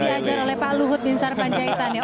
mungkin sudah diajar oleh pak luhut bin sarpanjaitan ya